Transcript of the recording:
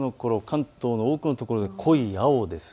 関東の多くの所で濃い青です。